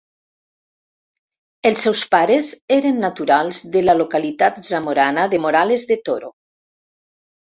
Els seus pares eren naturals de la localitat zamorana de Morales de Toro.